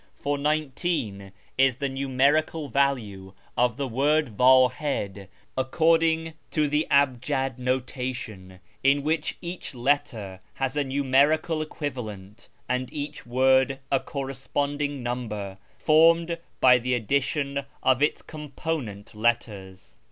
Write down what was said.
For 19 is the numerical value of the word Wdhid according to tlie cibjad notation, in which each letter has a numerical equivalent, and each word a corresponding number, formed by the addition of its component letters.